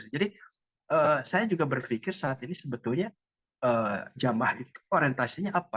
jadi saya juga berpikir saat ini sebetulnya jamaah itu orientasinya apa